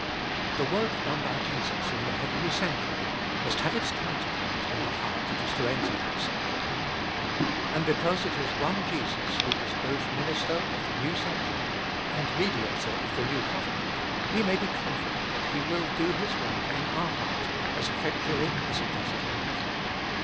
The work done by Jesus in the heavenly sanctuary must have its counterpart in the heart that is to enter that sanctuary. And because it is one Jesus who is both Minister of the new sanctuary and Mediator of the new covenant, we may be confident that He will do His work in our heart as effectually as He does it in heaven.